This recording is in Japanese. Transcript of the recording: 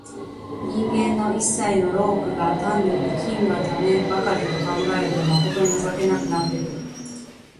人間の一切の労苦が単に生きんがためばかりと考えると、まことに情けなくなってくる。